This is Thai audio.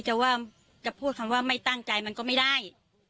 จะว่าจะพูดคำว่าไม่ตั้งใจมันก็ไม่ได้